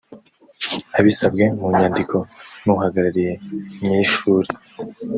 abisabwe mu nyandiko n uhagarariye nyir ishuri